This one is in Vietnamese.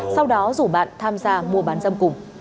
sau đó rủ bạn tham gia mua bán dâm cùng